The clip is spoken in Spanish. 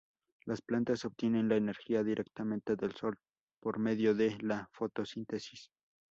Las plantas obtienen la energía directamente del Sol por medio de la fotosíntesis.